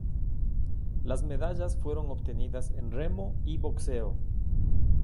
Las medallas fueron obtenidas en remo y boxeo.